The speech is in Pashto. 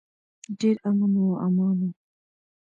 ډیر امن و امان و.